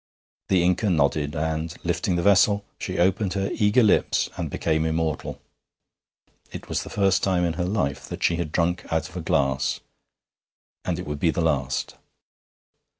The Inca nodded, and, lifting the vessel, she opened her eager lips and became immortal. It was the first time in her life that she had drunk out of a glass, and it would be the last.